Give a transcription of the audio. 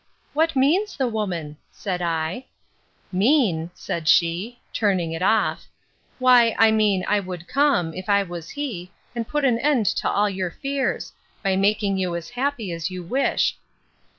What means the woman? said I.—Mean! said she, (turning it off;) why I mean, I would come, if I was he, and put an end to all your fears—by making you as happy as you wish.